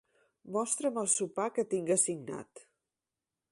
Mostra'm el sopar que tinc assignat.